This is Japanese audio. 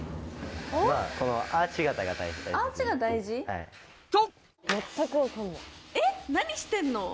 アーチが大事？と！